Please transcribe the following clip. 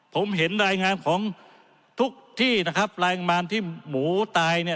ผมเห็นรายงานของทุกที่นะครับรางละครรายงานที่หมูไต